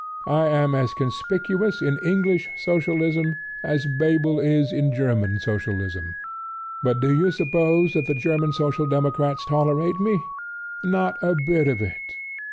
I am as conspicuous in English Socialism as Bebel is in German Socialism; but do you suppose that the German Social Democrats tolerate me? Not a bit of it.